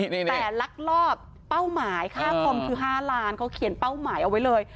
แต่ลักลอบเป้าหมายค่าคอมคือ๕ล้านเขาเขียนเป้าหมายเอาไว้เลย